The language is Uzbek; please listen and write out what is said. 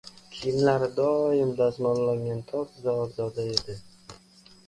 Kiyimlari doim dazmollangan, toza, ozoda edi…